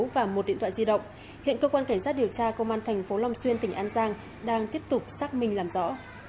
và một điện thoại di động hiện cơ quan cảnh sát điều tra công an thành phố long xuyên tỉnh an giang đang tiếp tục xác minh làm rõ